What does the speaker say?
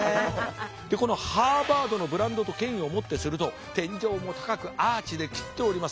このハーバードのブランドと権威をもってすると天井も高くアーチで切っております。